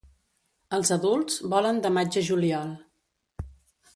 Els adults volen de maig a juliol.